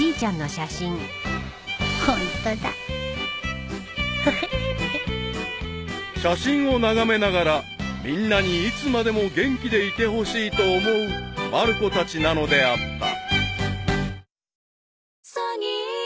［写真を眺めながらみんなにいつまでも元気でいてほしいと思うまる子たちなのであった］